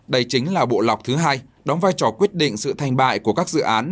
đây chính là bộ lọc thứ hai đóng vai trò quyết định sự thành bại của các dự án